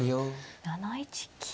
７一金。